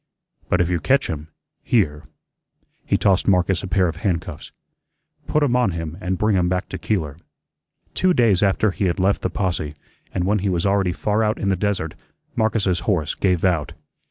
But if you catch him, here" he tossed Marcus a pair of handcuffs "put 'em on him and bring him back to Keeler." Two days after he had left the posse, and when he was already far out in the desert, Marcus's horse gave out.